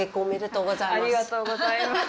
ありがとうございます。